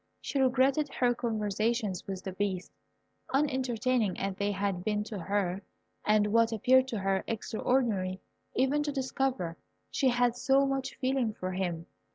She regretted her conversations with the Beast, unentertaining as they had been to her, and what appeared to her extraordinary, even to discover she had so much feeling for him.